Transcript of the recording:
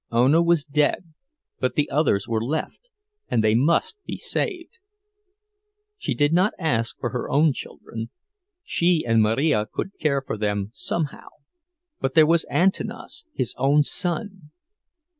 Ona was dead, but the others were left and they must be saved. She did not ask for her own children. She and Marija could care for them somehow, but there was Antanas, his own son.